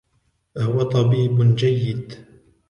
هو طبيبٌ جيّد.